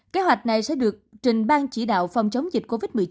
kế hoạch này sẽ được trình ban chỉ đạo phòng chống dịch covid một mươi chín